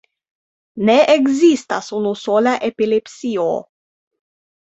Ne ekzistas unusola epilepsio.